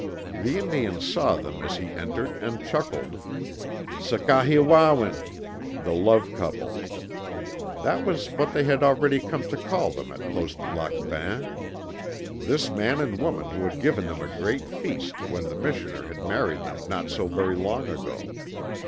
The Indian saw them as he entered, and chuckled. "Sakehewawin" ("the love couple"); that was what they had already come to call them at Post Lac Bain this man and woman who had given them a great feast when the missioner had married them not so very long ago.